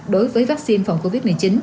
đối với vaccine phòng covid một mươi chín